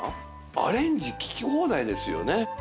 アレンジ利き放題ですよね！